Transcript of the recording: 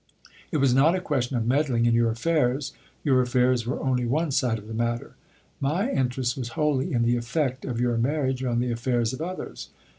It was not a question of meddling in your affairs your affairs were only one side of the matter. My interest was wholly in the effect of your marriage on the affairs of others.